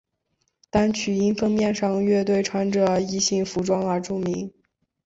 单曲因封面上乐队穿着异性服装而著名。